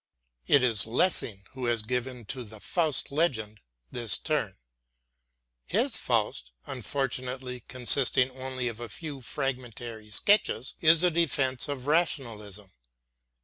It is Lessing who has given to the Faust legend this turn. His Faust, unfortunately consisting only of a few fragmentary sketches, is a defense of Rationalism.